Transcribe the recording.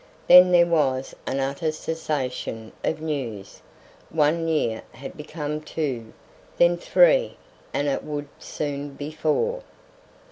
Then there was an utter cessation of news; one year had become two then three and it would soon be four.